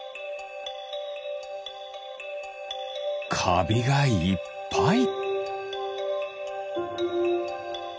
かびがいっぱい。